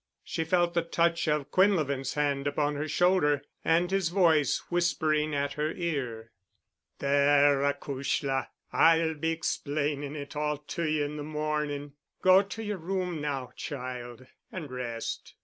She felt the touch of Quinlevin's hand upon her shoulder and his voice whispering at her ear. "There, acushla! I'll be explaining it all to you in the morning. Go to your room now, child, and rest."